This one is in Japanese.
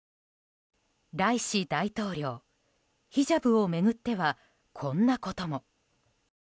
ライシ大統領、ヒジャブを巡ってはこんなことも。